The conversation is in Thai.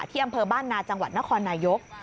อำเภอบ้านนาจังหวัดนครนายก